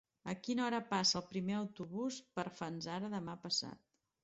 A quina hora passa el primer autobús per Fanzara demà passat?